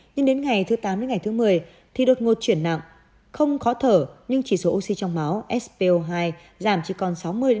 nhưng đến ngày thứ tám một mươi thì đột ngột chuyển nặng không khó thở nhưng chỉ số oxy trong máu spo hai giảm chỉ còn sáu mươi bảy mươi